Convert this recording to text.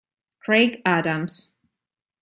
Craig Adams